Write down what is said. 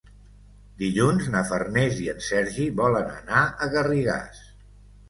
Dilluns na Farners i en Sergi volen anar a Garrigàs.